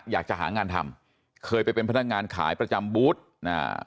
อยากจะหางานทำเคยไปเป็นพนักงานขายประจำบูธอ่า